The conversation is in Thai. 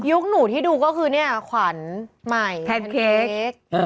หนูที่ดูก็คือเนี่ยขวัญใหม่แพนเค้ก